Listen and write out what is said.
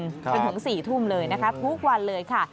จนถึง๔ทุ่มเลยนะคะทุกวันเลยค่ะ